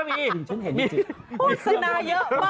มีฉันเห็นจริงโฆษณาเยอะมาก